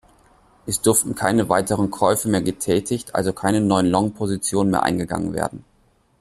Es durften keine weiteren Käufe mehr getätigt, also keine neuen Long-Positionen mehr eingegangen werden.